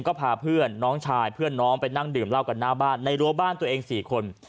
ก็พาเพื่อนน้องชายเพื่อนน้องไปนั่งดื่มเหล้ากันหน้าบ้านในรั้วบ้านตัวเอง๔คน